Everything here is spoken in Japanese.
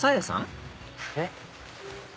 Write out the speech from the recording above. えっ？